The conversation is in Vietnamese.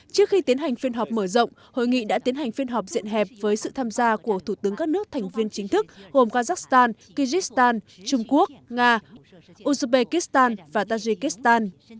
trước khi tiến hành phiên họp mở rộng hội nghị đã tiến hành phiên họp diện hẹp với sự tham gia của thủ tướng các nước thành viên chính thức gồm kazakhstan kyjistan trung quốc nga uzbekistan và tajikistan